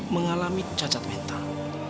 mengalami cacat mental